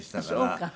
そうか。